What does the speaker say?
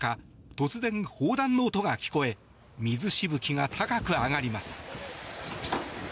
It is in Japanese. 突然、砲弾の音が聞こえ水しぶきが高く上がります。